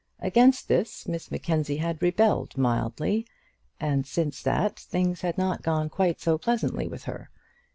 Against this Miss Mackenzie had rebelled mildly, and since that things had not gone quite so pleasantly with her.